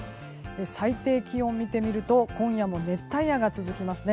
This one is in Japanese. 最低気温を見てみると今夜も熱帯夜が続きますね。